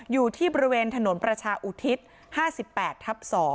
อยู่ที่บริเวณถนนประชาอุทิศ๕๘ทับ๒